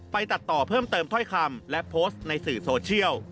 ตัดต่อเพิ่มเติมถ้อยคำและโพสต์ในสื่อโซเชียล